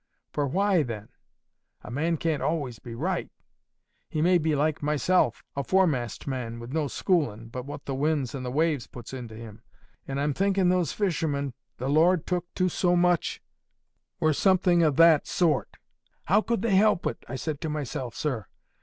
For why then? A man can't be always right. He may be like myself, a foremast man with no schoolin' but what the winds and the waves puts into him, and I'm thinkin' those fishermen the Lord took to so much were something o' that sort. 'How could they help it?' I said to myself, sir.